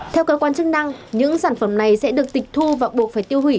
theo cơ quan chức năng những sản phẩm này sẽ được tịch thu và buộc phải tiêu hủy